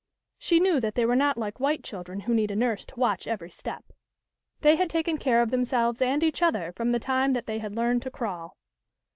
She knew that they were not like white children who need a nurse to watch every step. They had taken care of themselves and each other from the time that they had learned to crawl.